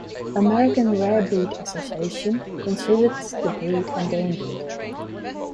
American Rare Breed Association considers the breed endangered.